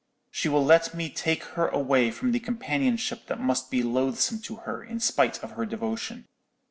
She will let me take her away from the companionship that must be loathsome to her, in spite of her devotion.